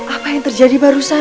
apa yang terjadi barusan